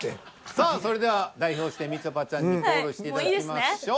さあそれでは代表してみちょぱちゃんにコールしていただきましょう。